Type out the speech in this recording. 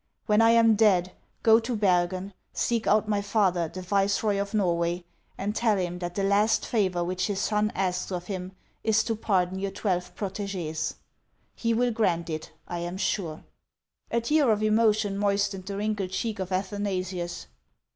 When I am dead, go to Bergen, seek out my father, the viceroy of Norway, and tell him that the last favor which his son asks of him is to pardon your twelve proteges. He will grant it, I am sure." A tear of emotion moistened the wrinkled cheek of Athanasius.